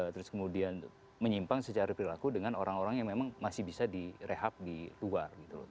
terus kemudian menyimpang secara perilaku dengan orang orang yang memang masih bisa direhab di luar gitu loh